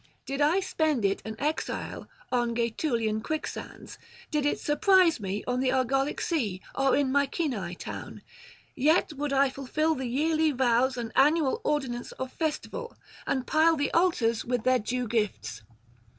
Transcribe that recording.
Did I spend it an exile on Gaetulian quicksands, did it surprise me on the Argolic sea or in Mycenae town, yet would I fulfil the yearly vows and annual ordinance of festival, and pile the altars with their due gifts.